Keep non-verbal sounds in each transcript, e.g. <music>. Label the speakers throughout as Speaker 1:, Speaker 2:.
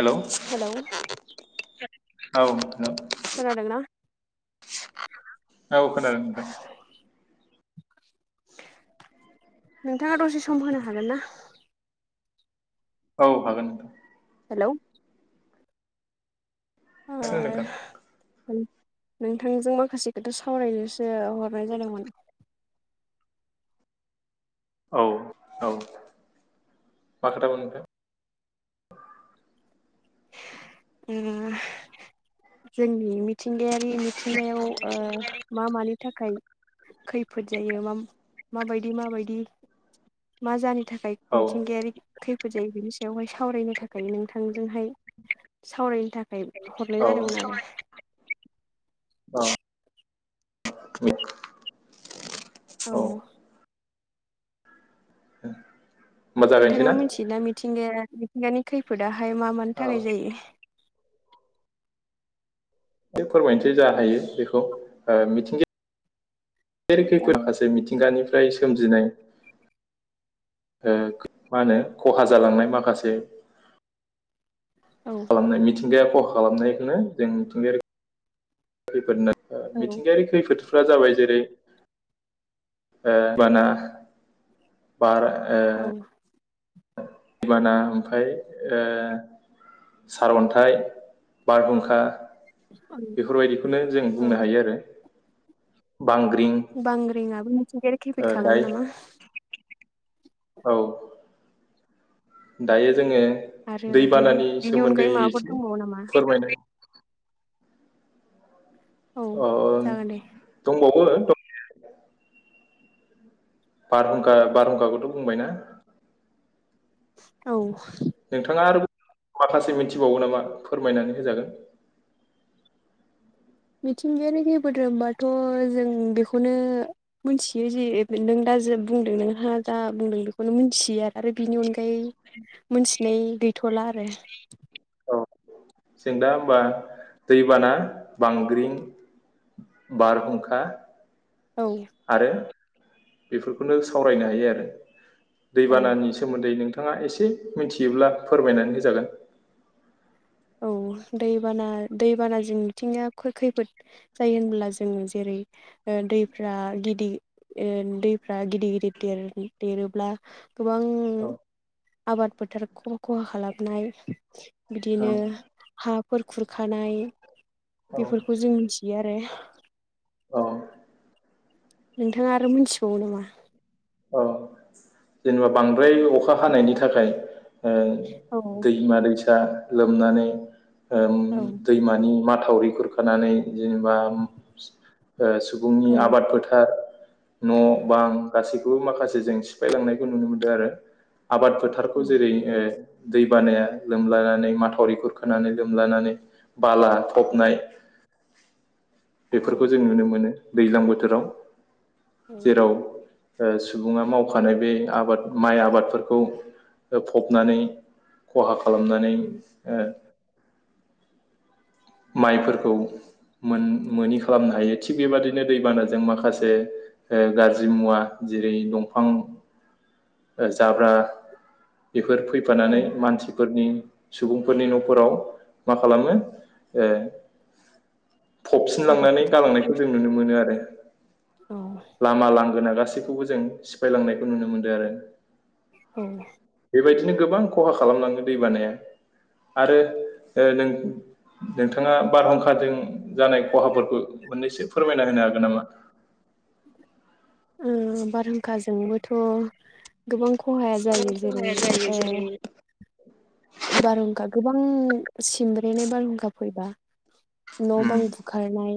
Speaker 1: हेल'
Speaker 2: hello
Speaker 1: <unintelligible> औ
Speaker 2: खोनादोंना?
Speaker 1: औ खोनादों नोंथां
Speaker 2: नोंथाङा दसे सम होनो हागोन ना
Speaker 1: औ हागोन नोंथां
Speaker 2: हेलौ ओ
Speaker 1: <unintelligible>
Speaker 2: नोंथांजों माखासे खोथा सावरायनोसो हरनाय जादोंमोन
Speaker 1: औ औ मा खोथा बुं नोंथां
Speaker 2: ओ जोंनि मिथिंगायारि मिथिंगायाव मा मानि थाखाय खैफोद जायो मा माबायदि माबायदि मा जानो थाखाय
Speaker 1: औ
Speaker 2: मिथिंगायारि खैफोद जायो बेनि सायावहाय सावरायनो थाखाय नोंथांजोंहाय
Speaker 1: <inaudible>
Speaker 2: सावरायनो थाखाय हरनाय
Speaker 1: औ
Speaker 2: जादोंमोन आरो
Speaker 1: औ <unintelligible>
Speaker 2: औ
Speaker 1: ए
Speaker 2: नोंथाङा मिथियोना मिथिंगाया मिथिंगानि खैफोदाहाय मा मानि
Speaker 1: औ
Speaker 2: थाखाय
Speaker 1: एसे
Speaker 2: जायो
Speaker 1: दे फोरमायनोसै जा हायो बेखौ मिथिंगाया बेे
Speaker 2: औ
Speaker 1: खैफोद
Speaker 2: जागोन दे
Speaker 1: खासै मिथिंगानिफ्राय सोमजिनाय ओ खो मा होनो खहा जालांनाय माखासे
Speaker 2: औ
Speaker 1: खालामनाय मिथिंगाया खहा खालामनायखौनो जों मिथिंगायारि खैफोद होनना
Speaker 2: औ
Speaker 1: मिथिंगायारि खैफोदफ्रा जाबाय जेरै ओ बाना बार ओ
Speaker 2: औ
Speaker 1: दैबाना ओमफ्राय ओ सारअन्थाइ बारहुंखा
Speaker 2: औ
Speaker 1: बेफोरबायदिखौनो जों
Speaker 2: औ
Speaker 1: बुंनो हायो आरो बांग्रिं
Speaker 2: बांग्रिंङाबो मिथिंगायारि
Speaker 1: ओ
Speaker 2: खैफोद खालामो नामा
Speaker 1: दायो औ दायो जोङो
Speaker 2: आरो बेनि
Speaker 1: दैबानानि
Speaker 2: बेनि
Speaker 1: सोमोन्दै
Speaker 2: अनगायै माबाफोर
Speaker 1: एसे
Speaker 2: दंबावो नामा
Speaker 1: फोरमायनाय
Speaker 2: औ जागोन दे
Speaker 1: बो बारहुंखा बारहुंखाखौथ' बुंबाय ना
Speaker 2: औ
Speaker 1: नोंथाङा आरो माखासे मिथिबावगौ नामा फोरमायनानै होजागोन
Speaker 2: मिथिंगायारि खैफोद होनबाथ' जों बेखौनो मिथियो जे नों दा जि बुंदों नोंहा जा बुंदों बेखौनो मिथियो आरो बिनि अनगा होय मिथिनाय गैथ'ला आरो
Speaker 1: औ जों दा होनबा दैबाना बांग्रिं बारहुंखा
Speaker 2: औ
Speaker 1: आरो बेफोरखौनो सावरायनो हायो आरो
Speaker 2: औ
Speaker 1: दैबानानि सोमोन्दै नोंथा नोंथाङा एसे मिथियोब्ला फोरमायनानै होजागोन
Speaker 2: औ दैबाना दैबानाजों मिथिंगायारि खैफोद जायो होनब्ला जोङो जेरै ओ दैफ्रा गिदि ओ दैफ्रा गिदिर गिदिर देर-देरोब्ला गोबां
Speaker 1: औ
Speaker 2: आबाद फोथार ख-खहा खालामनाय बिदिनो हाफोर खुरखानाय
Speaker 1: औ
Speaker 2: बेफोरखौ जों मिथियो आरो
Speaker 1: औ
Speaker 2: नोंथाङा आरो मोनथिबावो नामा
Speaker 1: औ जेनेबा बांद्राय अखा हानायनि थाखाय ओ
Speaker 2: औ
Speaker 1: दैमा दैसा लोमनानै ओम
Speaker 2: औ
Speaker 1: दैमानि माथा माथावरि खुरखानानै जेनेबा ओ सुबुंनि
Speaker 2: औ
Speaker 1: आबाद फोथार न' बां गासैखौबो माखासे जों सि फायलांनायखौ नुनो मोनदों आरो आबाद फोथारखौ
Speaker 2: औ
Speaker 1: जेरै ओ दै बानाया लोमलानानै माथावरि खुर खोनानै लोमलानानै बाला फबनाय
Speaker 2: औ
Speaker 1: बेफोरखौ जों नुनो मोनो दैज्लां बोथोराव जेराव ओ सुबुंआ माव मावखानाय बे आबाद माइ आबादफोरखौ फबनानै खहा खा खालामनानै
Speaker 2: औ
Speaker 1: ओ माइफोरखौ मोन-मोनि खालामनो हायो थिग बेबादिनो दैबानाजों माखासे ओ गाज्रि मुवा जेरै दंफां जाब्रा बेफोर
Speaker 2: औ
Speaker 1: फैफानानै मानसिफोरनि सुबुंफोरनि न'फोराव मा खालामो ओ
Speaker 2: आबाद
Speaker 1: फबसिनलांनानै
Speaker 2: फोथारखौ
Speaker 1: गालांनायखौ जों नुनो मोनो आरो
Speaker 2: औ
Speaker 1: लामा लांगोना गासैखौबो जों सिफायलांनायखौ नुनो मोनदों आरो
Speaker 2: औ
Speaker 1: बेबायदिनो गोबां खहा खालाम लांदों दै बानाया आरो ओ नों नोंथाङा बारहुंखाजों जानाय खहाफोरखौ मोननैसो फोरमायना होनो हागोन नामा?
Speaker 2: उम बारहुंखाजोंबोथ' गोबां खहाया जायो। जेरै
Speaker 1: जायो जेरै
Speaker 2: बारहुंखा गोबां सिमब्रेनाय बारहुंखा फैबा न' बां
Speaker 1: उम
Speaker 2: बुखारनाय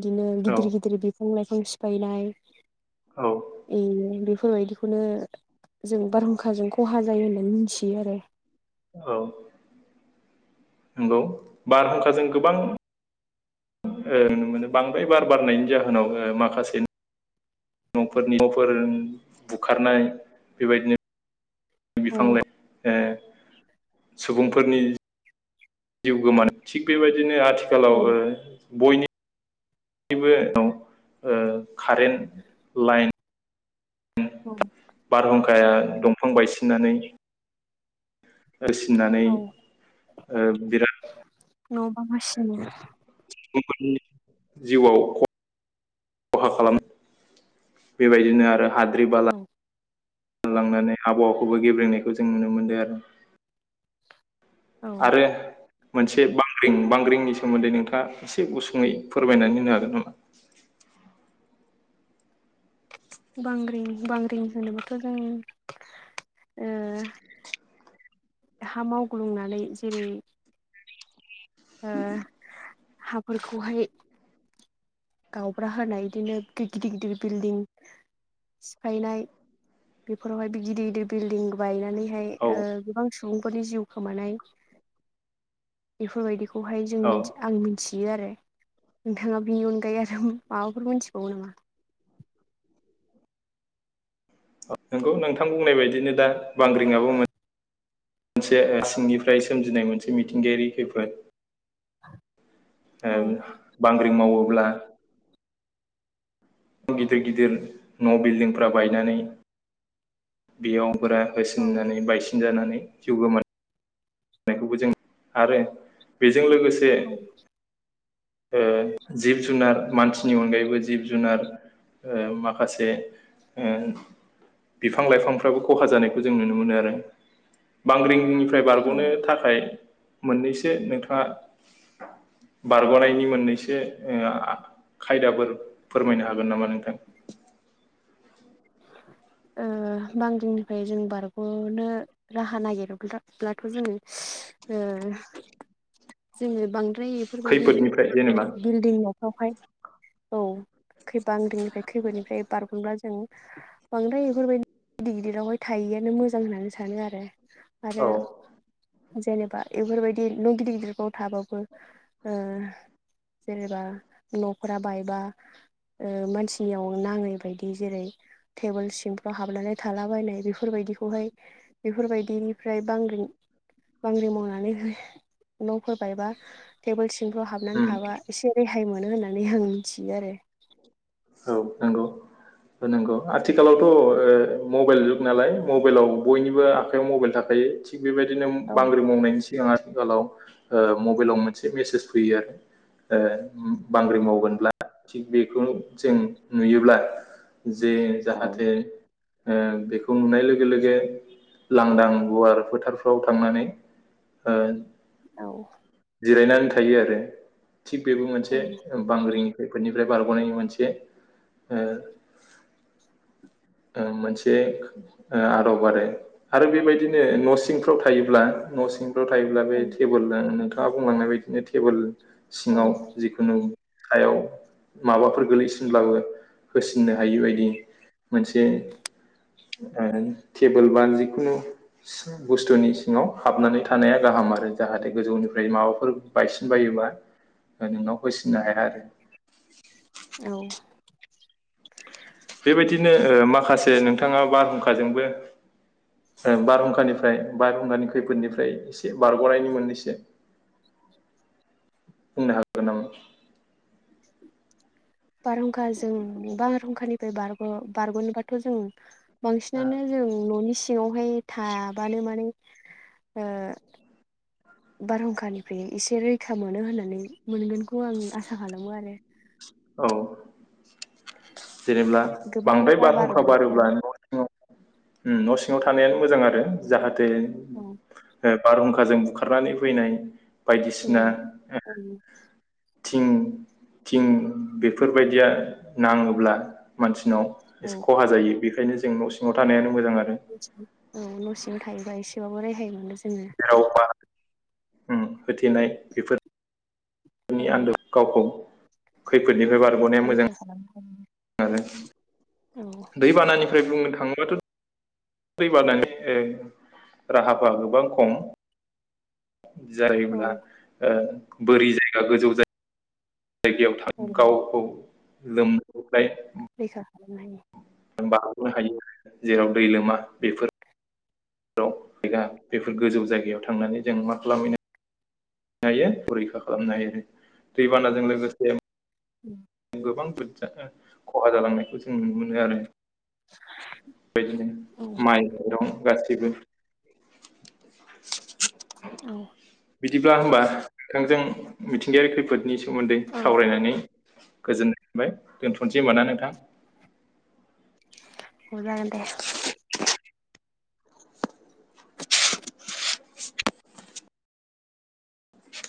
Speaker 2: बिदिनो
Speaker 1: औ
Speaker 2: गिदिर गिदिर बि फां लाइफां सिफायनाय
Speaker 1: औ
Speaker 2: एयो बि बुङो इदिखौनो जों बारहुंखाजों खहा जायो होननानै मिथियो आरो।
Speaker 1: औ नंगौ बारहुंखाजों गोबां ओ नुनो मोनो बांद्राय बार बारनायनि जाहोनाव ओ माखासे न'फोरनि न'फोर बुखारनाय बेबायदिनो बिफां लाइफां ए सुबुंफोरनि जिउ गोमानो थिग बेबायदिनो आथिखालाव
Speaker 2: औ
Speaker 1: ओ बयनि बो नाव ओ कारेन्ट लाइन
Speaker 2: औ
Speaker 1: बारहुंखाया दंफां बायसिननानै होसिननानै
Speaker 2: औ
Speaker 1: ओ बिराद
Speaker 2: न' बां होसिनो।
Speaker 1: सुबुंफोरनि जिउआव ख खहा खालामनाय बेबायदिनो आरो हाद्रि
Speaker 2: औ
Speaker 1: बाला लांनानै आबहावाखौबो गेब्रेनायखौ जों नुनो मोनदो आरो।
Speaker 2: औ
Speaker 1: आरो मोनसे बांग्रिं बांग्रिंनि सोमोनदै नोंथाङा एसे गुसुङै फोरमायनानै होनो हागोन नामा?
Speaker 2: <inaudible> बांग्रिं बांग्रिं होनोबाथ' जों ओ हा मावग्लुंनानै जेरै हाफोरखौहाय गावब्रा होनाय बिदिनो गिदिर गिदिर बिल्डिं सिफायनाय बेफोरावहाय बे गिदिर गिदिर बिल्डिं बायनानै बबेहाय
Speaker 1: औ
Speaker 2: ओ गोबां सुबुंफोरनि जिउ खोमानाय बेफोरबायदि बे खौहाय जों
Speaker 1: औ
Speaker 2: आं मिथि बियो आरो नोंथाङा बेनि अनगायै आरो माबाफोर मोनथिबावो नामा?
Speaker 1: <inaudible> औ नंगौ नोंथां बुंनाय बायदिनो दा बांग्रिंआबो मोन मोनसे सिंनिफ्राय सोमजिनाय मोनसे मिथिंगायारि खैफोद।
Speaker 2: <inaudible>
Speaker 1: ओं बांग्रिं मावोब्ला गिदिर गिदिर न' बिल्दिंफ्रा बायनानै बेयाव
Speaker 2: औ
Speaker 1: होसिननानै बायसिन जानानै जिउ गोमा नायखौबो जों नुनो आरो बेजों लोगोसे
Speaker 2: औ
Speaker 1: ओ जिब जुनार मानसिनि अनगायैबो जिब जुनार ओ माखासे ओ बिफां लाइफांफ्राबो खहा जानायखौ जों नुनो मोनो आरो बांग्रिं निफ्राय बारग'नो
Speaker 2: औ
Speaker 1: थाखाय मोननैसो नोंथाङा बारग'नाय मोननैसो ओ आ खायदाफोर फोरमायनो हागोन नामा नोंथां?
Speaker 2: <inaudible> ओ बांग्रिंनिफ्राय जों बारग'नो राहा नागिरब्लाथ' जोङो ओ जोङो बांद्राय बेफोरबायदि
Speaker 1: खैफोदनिफ्राय
Speaker 2: ओ
Speaker 1: जेनेबा
Speaker 2: बिल्डिंआव बेवहाय औ खै बांग्रिंनिफ्राय खैफोदनिफ्राय बारगनोब्ला जों बांद्राय बेफोरबायदि गिदिर गिदिरावहाय थायैआनो मोजां होननानै सानो आरो। आरो
Speaker 1: औ
Speaker 2: जेनेबा बेफोरबायदि न' गिदिर गिदिरफ्राव थाबाबो ओ जेनेबा न'फोरा बायबा ओ मानसिनियाव नाङै बायदि जेरै टेबोल सिंफ्राव हाबनानै थालाबायनाय बेफोरबायदिखौहाय बेफोरबायदिनिफ्राय बांग्रि बांग्रि मावनानै न'फोर बायबा टेबोल सिंफ्राव हाबनानै
Speaker 1: उम
Speaker 2: थाबा एसे रे हाय मोनो होननानै आं मिथियो आरो।
Speaker 1: औ नंगौ। नोंगौ आथिखालावथ' ओ मबाइल जुग नालाय मबाइलाव बयनिबो आखाइयाव मबाइल थाखायो थिग बेबायदिनो
Speaker 2: औ
Speaker 1: बांग्रि मावनायनि सिगां आरो आथिखालाव ओ मबाइलाव मोनसे मेसेज फैयो आरो ओ बांग्रिं
Speaker 2: औ
Speaker 1: मावगोनब्ला थिग बेखौ जों नुयोब्ला जे जाहाथे ओ बेखौ नुनाय लोगो लोगो लांदां गुवार फोथारफ्राव थांनानै ओ
Speaker 2: औ
Speaker 1: जिरायनानै थायो आरो। थिग बेबो मोनसे बांग्रिं खैफोदनिफ्राय बारग'नायनि मोनसे से ओ ओ मोनसे आदब आरो। आरो बेबायदिनो न' सिंफ्राव थायोब्ला न' सिं फ्राव थायोब्ला बे
Speaker 2: औ
Speaker 1: टेबोल नोंथाङा बुंलांनाय बिदिनो टेबोल
Speaker 2: औ
Speaker 1: सिङाव जिखुनु हायाव माबाफोर गोलैसिनब्लाबो होसिननो हायि बायदि मोनसे ओ टेबोल बा जिखुनु बुस्थुनि सिङाव हाबनानै थानाया गा गाहाम आरो जाहाथे गोजौनिफ्राय माबाफोर बायसिन बायोबा नोंनाव होसिननो हाया आरो।
Speaker 2: औ
Speaker 1: बेबायदिनो ओ माखासे नोंथाङा बारहुंखाजोंबो बारहुंखानिफ्राय बारहुंखानि खैफोदनिफ्राय एसे बारग'नायनि मोननैसो
Speaker 2: <inaudible>
Speaker 1: बुंनो हागोन नामा?
Speaker 2: बारहुंखाजों बारहुंखानिफ्राय बारग'-बारग'नोबाथ' जों बांसिनानो जों न'नि सिङावहाय थाबानो माने ओ बारहुंखानिफ्राय एसे रैखा मोनो होननानै मोनगोनखौ आं आसा खालामो आरो।
Speaker 1: औ जेनेब्ला
Speaker 2: गोबां
Speaker 1: बांद्राय
Speaker 2: बार
Speaker 1: बारहुंखा
Speaker 2: बारोब्लाथ'
Speaker 1: बारोब्ला न' सिङाव उम न' सिं ङाव थानायानो मोजां आरो जाहाथे
Speaker 2: औ
Speaker 1: बारहुंखाजों बुखारनानै फैनाय बायदिसिना
Speaker 2: फैनाय औ
Speaker 1: थिं थिं बेफोरबायदिया नाङोब्ला मानसि नाव एसे
Speaker 2: औ
Speaker 1: खहा जायो, बेखायनो जों न' सिङाव थानायानो मोजां आरो
Speaker 2: औ न' सिङाव थायोबा एसेबाबो रेहाय मोनो जोङो।
Speaker 1: ओ होथेनाय बेफोर नि
Speaker 2: जोङो
Speaker 1: आन्दो गावखौ खैफोदनिफ्राय बारग'नाया
Speaker 2: रैखा
Speaker 1: मोजां।
Speaker 2: खालामनो
Speaker 1: आरो
Speaker 2: हायो।
Speaker 1: दैबानानिफ्राय बुंनो थाङोबाथ' दैबानानि ओ राहाफ्रा गोबां खम
Speaker 2: औ
Speaker 1: जायोब्ला ओ बोरि जायगा गोजौ जाय गायाव थां गावखौ लोम
Speaker 2: रैखा खालामनो हायो।
Speaker 1: बारग'नो हायो जेराव दै लोमा बेफोर जायगा बेफोर गोजौ जायगायाव थांनानै जों मा खालामहैनो हायो फरिखा खालामनो हायो दैबानाजों लोगोसे गोबांजा खहा जालांनायखौ जों नुनो मोनो आरो। बेबायदिनो
Speaker 2: औ
Speaker 1: माइरं गासैबो बि <inaudible>
Speaker 2: औ।
Speaker 1: बिदिब्ला होमबा नोंथांजों मिथिंगायारि खैफोदनि सोमोन्दै
Speaker 2: औ
Speaker 1: सावरायनानै गोजोननाय मोनबाय। दोनथ'सै होनबा ना नोंथां?
Speaker 2: औ जागोन दे।